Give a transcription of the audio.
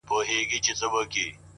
• ته یې په مسجد او درمسال کي کړې بدل ـ